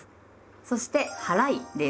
そして「はらい」です。